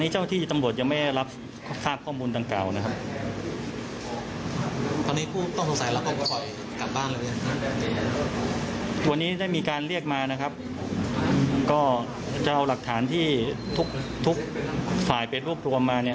จะเอาหลักฐานที่ทุกฝ่ายเป็นรูปรวมมา